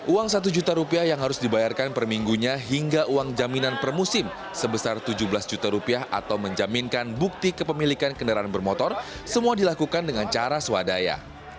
uang satu juta rupiah yang harus dibayarkan per minggunya hingga uang jaminan per musim sebesar tujuh belas juta rupiah atau menjaminkan bukti kepemilikan kendaraan bermotor semua dilakukan dengan cara swadaya